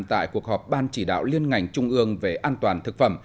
tại cuộc họp ban chỉ đạo liên ngành trung ương về an toàn thực phẩm